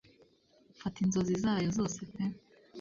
Fata inzozi zayo zose pe.